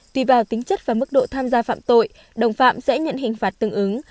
tùy vào tính chất và mức độ tham gia phạm tội đồng phạm sẽ nhận hình phạt tương ứng